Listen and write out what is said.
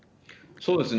そうですね。